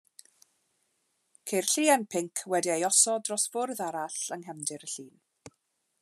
Ceir lliain pinc wedi'i osod dros fwrdd arall yng nghefndir y llun.